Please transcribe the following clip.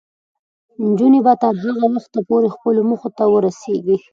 نجونې به تر هغه وخته پورې خپلو موخو ته رسیږي.